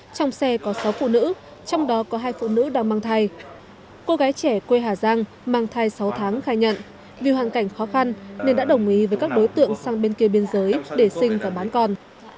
trong xe có sáu phụ nữ trong đó có hai phụ nữ đang mang thai cô gái trẻ quê hà giang mang thai sáu tháng khai nhận vì hoàn cảnh khó khăn nên đã đồng ý với các đối tượng sang bên kia biên giới để sinh và bán con